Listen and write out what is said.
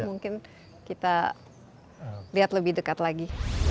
mungkin kita lihat lebih dekat lagi